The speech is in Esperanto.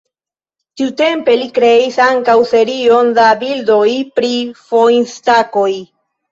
Tiutempe li kreis ankaŭ serion da bildoj pri fojn-stakoj.